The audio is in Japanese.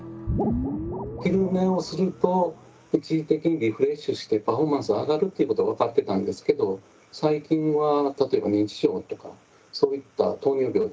昼寝をすると一時的にリフレッシュしてパフォーマンスが上がるということが分かってたんですけど最近は例えば認知症とかそういった糖尿病ですね